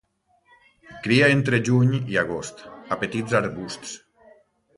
Cria entre juny i agost, a petits arbusts.